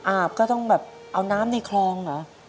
อาบก็ต้องแบบเอาน้ำในคลองเหรอ